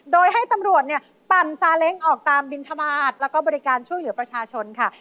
โดยให้ตำรวจปั่นสาเล็งออกตามบินธมาตรและบริการช่วยเหลือประชาชนค่ะ